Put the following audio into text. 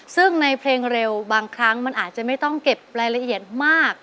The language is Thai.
ซึ่งในเพลงเร็วบางครั้งมันอาจจะไม่ต้องเก็บรายละเอียดมาก